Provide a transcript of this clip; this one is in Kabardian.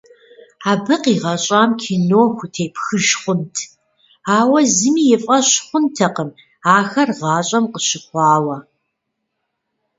Абы къигъэщӏам кино хутепхыж хъунт, ауэ зыми и фӏэщ хъунтэкъым ахэр гъащӏэм къыщыхъуауэ.